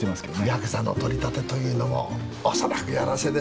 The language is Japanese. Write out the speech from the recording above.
ヤクザの取り立てというのも恐らくヤラセでしょう。